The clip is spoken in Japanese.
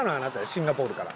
シンガポールから。